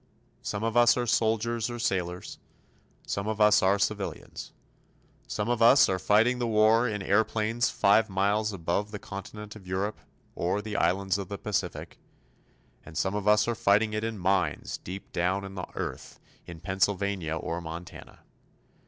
Some of us are soldiers or sailors, some of us are civilians. Some of us are fighting the war in airplanes five miles above the continent of Europe or the islands of the Pacific and some of us are fighting it in mines deep down in the earth of Pennsylvania or Montana.